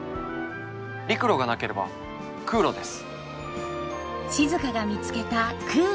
陸路がなければ空路です。